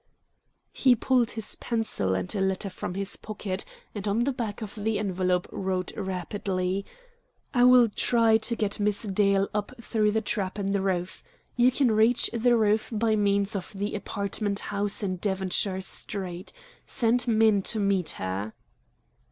He pulled his pencil and a letter from his pocket, and on the back of the envelope wrote rapidly: "I will try to get Miss Dale up through the trap in the roof. You can reach the roof by means of the apartment house in Devonshire Street. Send men to meet her."